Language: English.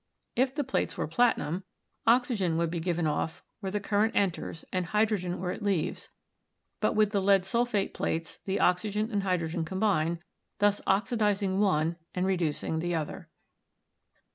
If the plates were platinum,; oxygen would be given off where the current enters and hydrogen where it leaves, but with the lead sulphate plates the oxygen and hydrogen combine, thus oxidizing one and reducing the other.